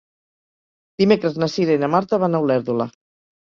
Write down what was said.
Dimecres na Cira i na Marta van a Olèrdola.